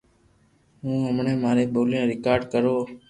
ھو ھمڙي ماري ڀولي ني ريڪارڌ ڪرو